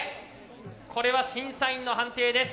これは審査員の判定です。